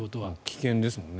危険ですもんね。